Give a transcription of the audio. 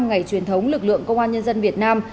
ngày truyền thống lực lượng công an nhân dân việt nam